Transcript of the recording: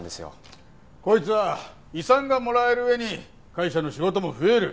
こいつは遺産がもらえる上に会社の仕事も増える。